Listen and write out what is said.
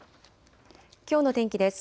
きょうの天気です。